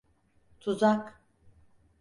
Tuzak…